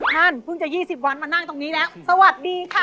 นั่นเพิ่งจะ๒๐วันมานั่งตรงนี้แล้วสวัสดีค่ะ